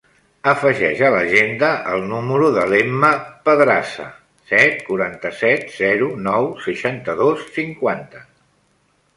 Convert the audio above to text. Afegeix a l'agenda el número de l'Emma Pedraza: set, quaranta-set, zero, nou, seixanta-dos, cinquanta.